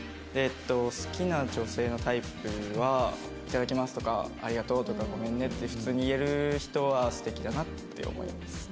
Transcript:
好きな女性のタイプは「いただきます」とか「ありがとう」とか「ごめんね」って普通に言える人は素敵だなって思います。